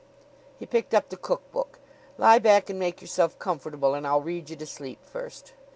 He picked up the cookbook. "Lie back and make yourself comfortable, and I'll read you to sleep first."